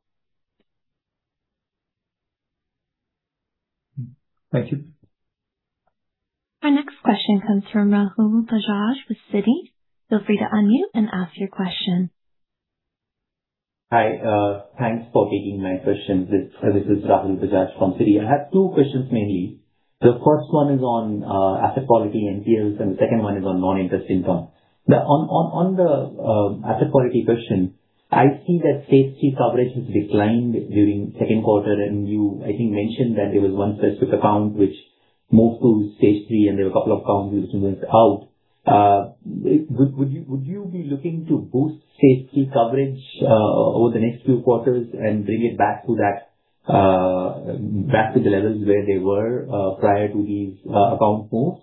Our next question comes from Rahul Bajaj with Citi. Feel free to unmute and ask your question. Hi. Thanks for taking my questions. This is Rahul Bajaj from Citi. I have two questions mainly. The first one is on asset quality NPLs, and the second one is on non-interest income. On the asset quality question, I see that Stage 3 coverage has declined during second quarter, and you, I think, mentioned that there was one specific account which move to Stage 3, and there were a couple of accounts which went out. Would you be looking to boost Stage 3 coverage over the next few quarters and bring it back to the levels where they were prior to these account moves?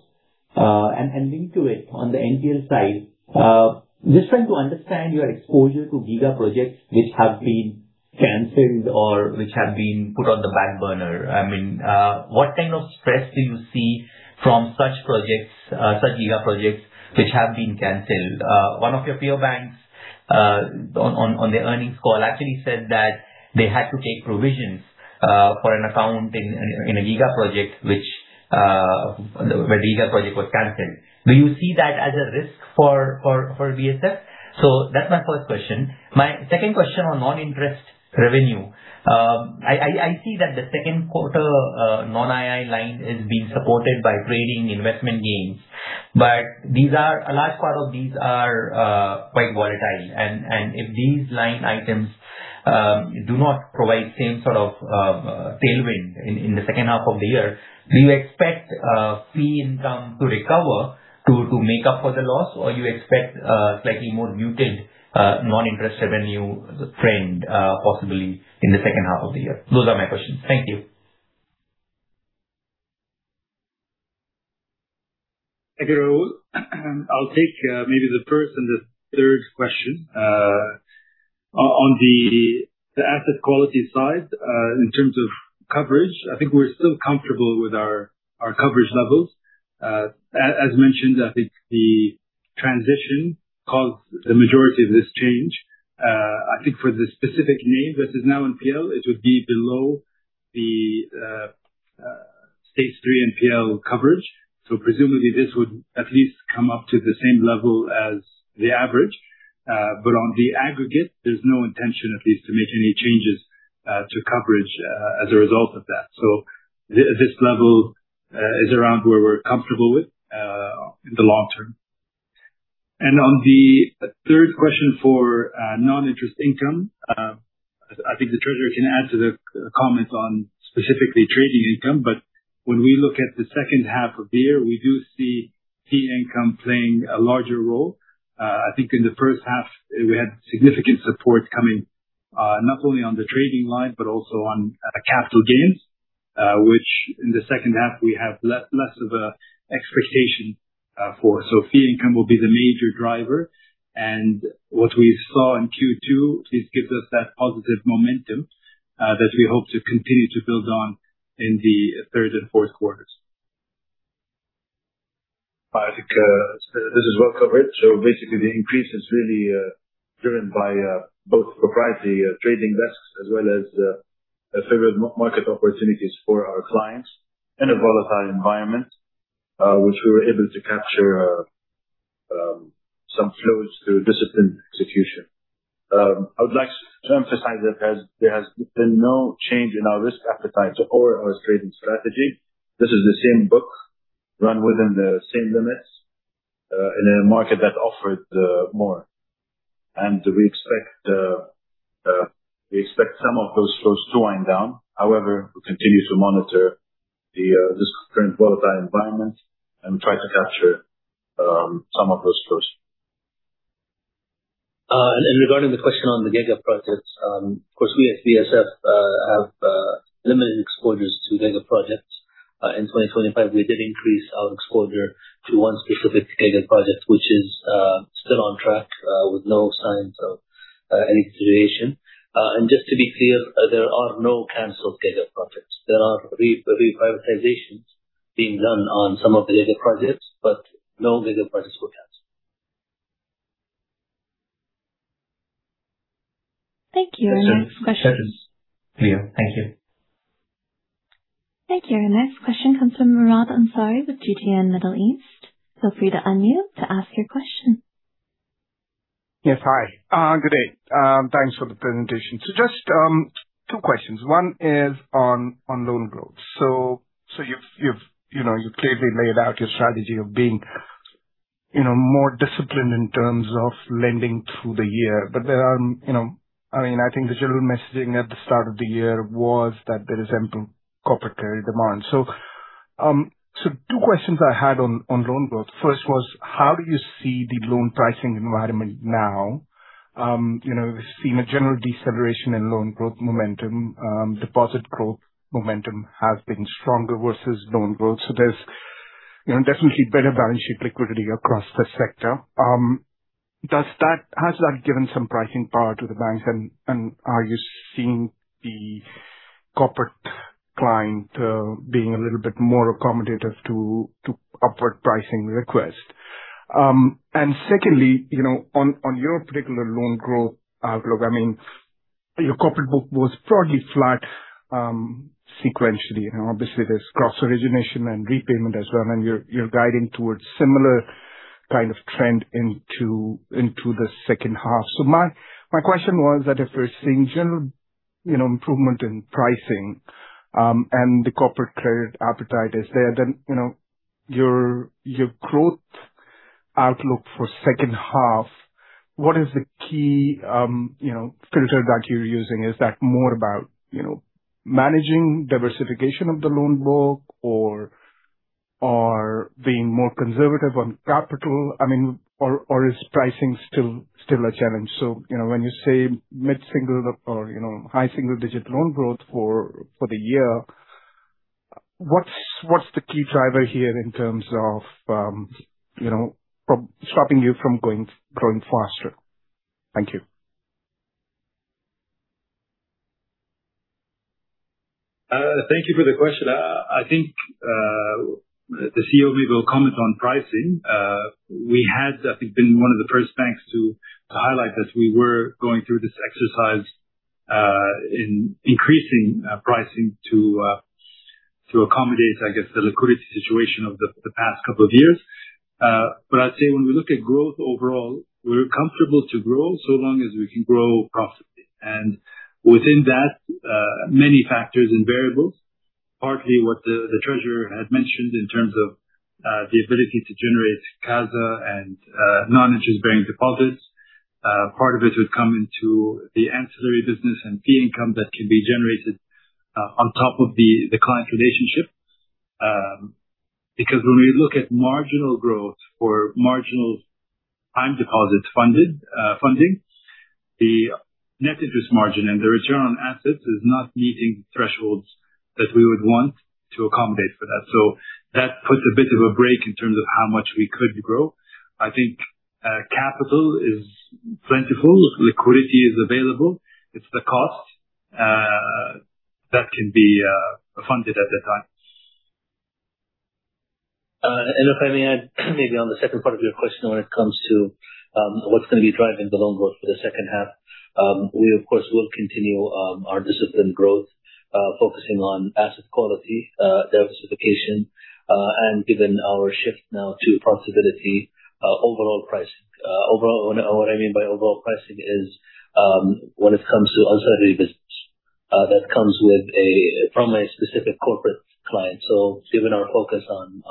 Linked to it, on the NPL side, just trying to understand your exposure to giga-projects which have been canceled or which have been put on the back burner. What kind of stress do you see from such giga-projects which have been canceled? One of your peer banks, on their earnings call, actually said that they had to take provisions for an account in a giga-project, where giga-project was canceled. Do you see that as a risk for BSF? That's my first question. My second question on non-interest revenue. I see that the second quarter non-II line is being supported by trading investment gains, but a large part of these are quite volatile. If these line items do not provide same sort of tailwind in the second half of the year, do you expect fee income to recover to make up for the loss, or you expect a slightly more muted non-interest revenue trend, possibly in the second half of the year? Those are my questions. Thank you. Thank you, Rahul. I'll take maybe the first and the third question. On the asset quality side, in terms of coverage, I think we're still comfortable with our coverage levels. As mentioned, I think the transition caused the majority of this change. I think for the specific name that is now NPL, it would be below the Stage 3 NPL coverage. Presumably this would at least come up to the same level as the average. On the aggregate, there's no intention, at least, to make any changes to coverage as a result of that. This level is around where we're comfortable with, in the long term. On the third question for non-interest income, I think the treasurer can add to the comments on specifically trading income. When we look at the second half of the year, we do see fee income playing a larger role. I think in the first half, we had significant support coming, not only on the trading line, but also on capital gains, which in the second half, we have less of an expectation for. Fee income will be the major driver, what we saw in Q2 at least gives us that positive momentum that we hope to continue to build on in the third and fourth quarters. I think this is well covered. Basically, the increase is really driven by both propriety trading desks as well as favored market opportunities for our clients in a volatile environment, which we were able to capture some flows through disciplined execution. I would like to emphasize that there has been no change in our risk appetite or our trading strategy. This is the same book run within the same limits, in a market that offered more. We expect some of those flows to wind down. However, we continue to monitor this current volatile environment and try to capture some of those flows. Regarding the question on the giga-projects, of course, we at BSF have limited exposures to giga-projects. In 2025, we did increase our exposure to one specific giga-project, which is still on track with no signs of any deviation. Just to be clear, there are no canceled giga-projects. There are re-prioritizations being done on some of the giga-projects, but no giga-projects were canceled. Thank you. Your next question- That is clear. Thank you. Thank you. Our next question comes from Murad Ansari with GTN Middle East. Feel free to unmute to ask your question. Yes. Hi. Good day. Thanks for the presentation. Just two questions. One is on loan growth. You've clearly laid out your strategy of being more disciplined in terms of lending through the year. I think the general messaging at the start of the year was that there is ample corporate credit demand. Two questions I had on loan growth. First was, how do you see the loan pricing environment now? We've seen a general deceleration in loan growth momentum. Deposit growth momentum has been stronger versus loan growth. There's definitely better balance sheet liquidity across the sector. Has that given some pricing power to the banks? Are you seeing the corporate client being a little bit more accommodative to upward pricing request? Secondly, on your particular loan growth outlook, your corporate book was broadly flat sequentially, obviously there's cross origination and repayment as well, you're guiding towards similar kind of trend into the second half. My question was that if we're seeing general improvement in pricing, the corporate credit appetite is there, then your growth outlook for second half, what is the key filter that you're using? Is that more about managing diversification of the loan growth or being more conservative on capital? Is pricing still a challenge? When you say mid-single or high single-digit loan growth for the year, what's the key driver here in terms of stopping you from growing faster? Thank you. Thank you for the question. I think, the CEO will comment on pricing. We had, I think, been one of the first banks to highlight that we were going through this exercise in increasing pricing to accommodate, I guess, the liquidity situation of the past couple of years. I'd say when we look at growth overall, we're comfortable to grow so long as we can grow profitably. Within that, many factors and variables, partly what the treasurer had mentioned in terms of the ability to generate CASA and non-interest-bearing deposits. Part of it would come into the ancillary business and fee income that can be generated on top of the client relationship. Because when we look at marginal growth or marginal time deposits funding, the net interest margin and the return on assets is not meeting thresholds that we would want to accommodate for that. That puts a bit of a break in terms of how much we could grow. I think capital is plentiful. Liquidity is available. It's the cost that can be funded at that time. If I may add maybe on the second part of your question when it comes to what's going to be driving the loan growth for the second half. We, of course, will continue our disciplined growth, focusing on asset quality, diversification, and given our shift now to profitability, overall pricing. What I mean by overall pricing is when it comes to ancillary business, that comes from a specific corporate client. Given our focus on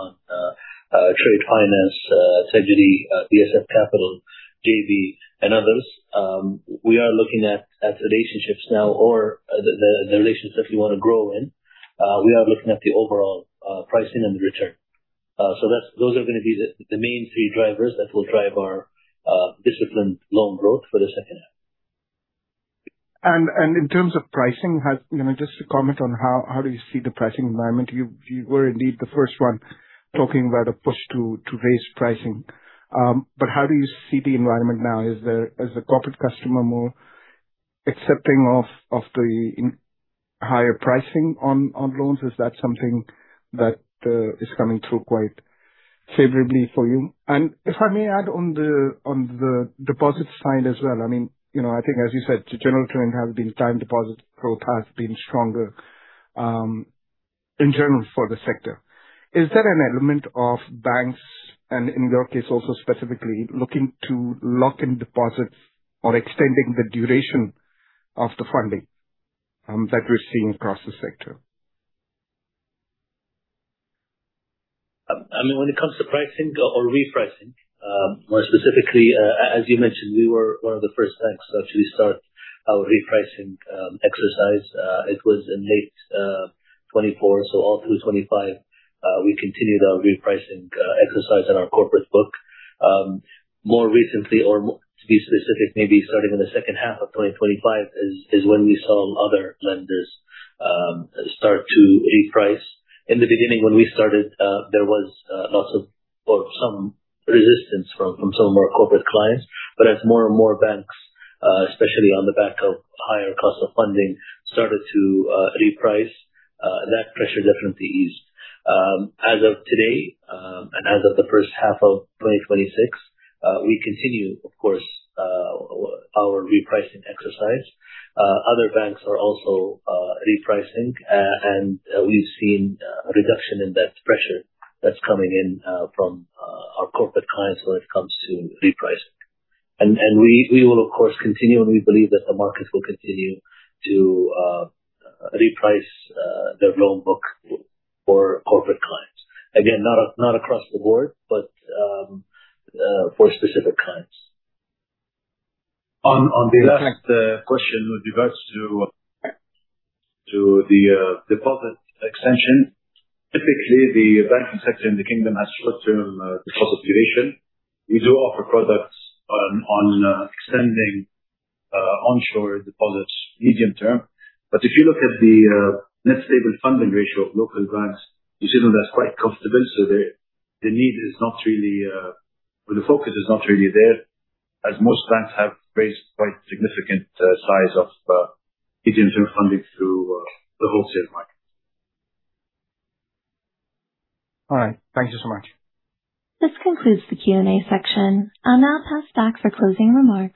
trade finance, treasury, BSF Capital, J-B, and others, we are looking at relationships now, or the relationships we want to grow in. We are looking at the overall pricing and the return. Those are going to be the main three drivers that will drive our disciplined loan growth for the second half. In terms of pricing, just to comment on how do you see the pricing environment. You were indeed the first one talking about a push to raise pricing. How do you see the environment now? Is the corporate customer more accepting of the higher pricing on loans? Is that something that is coming through quite favorably for you? If I may add on the deposit side as well. I think as you said, the general trend has been time deposit growth has been stronger in general for the sector. Is there an element of banks, and in your case also specifically, looking to lock in deposits or extending the duration of the funding that we're seeing across the sector? When it comes to pricing or repricing, more specifically, as you mentioned, we were one of the first banks to actually start our repricing exercise. It was in late 2024. All through 2025, we continued our repricing exercise in our corporate book. More recently, or to be specific, maybe starting in the second half of 2025, is when we saw other lenders start to reprice. In the beginning, when we started, there was lots of, or some resistance from some of our corporate clients. As more and more banks, especially on the back of higher cost of funding, started to reprice, that pressure definitely eased. As of today, as of the first half of 2026, we continue, of course, our repricing exercise. Other banks are also repricing, and we've seen a reduction in that pressure that's coming in from our corporate clients when it comes to repricing. We will, of course, continue, and we believe that the market will continue to reprice their loan book for corporate clients. Again, not across the board, but for specific clients. On the last question with regards to the deposit extension. Typically, the banking sector in the kingdom has short-term deposit duration. We do offer products on extending onshore deposits medium-term. If you look at the Net Stable Funding Ratio of local banks, you see that that's quite comfortable. The focus is not really there, as most banks have raised quite significant size of medium-term funding through the wholesale market. All right. Thank you so much. This concludes the Q&A section. I'll now pass back for closing remarks.